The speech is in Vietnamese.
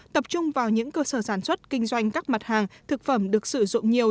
tập trung vào những cơ sở sản xuất kinh doanh các mặt hàng thực phẩm được sử dụng nhiều